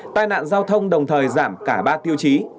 tai nạn giao thông đồng thời giảm cả ba tiêu chí